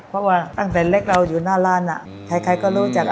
เพราะว่าตั้งแต่เล็กเราอยู่หน้าร้านใครก็รู้จัก